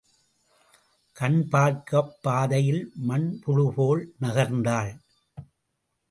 கண் பார்க்காப் பாதையில் மண்புழுபோல் நகர்ந்தாள்.